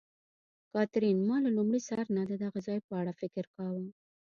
کاترین: ما له لومړي سر نه د دغه ځای په اړه فکر کاوه.